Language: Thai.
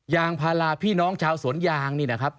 ยางพาราพี่น้องชาวสวนยางนี่นะครับ